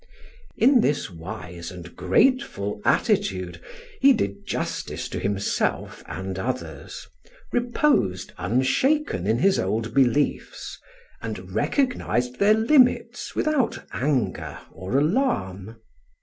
In this wise and grateful attitude he did justice to himself and others, reposed unshaken in his old beliefs, and recognised their limits without anger or alarm.